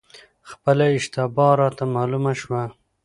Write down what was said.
خپله اشتباه راته معلومه شوه،